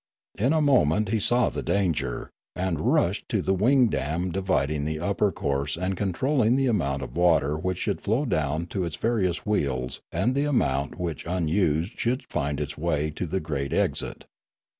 In a moment he saw the danger, and rushed to the wing dam dividing the upper course and controlling the amount of water which should flow down to its various wheels and the amount which unused should find its way to the great exit.